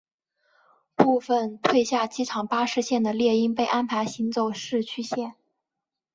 部份退下机场巴士线的猎鹰被安排行走市区线。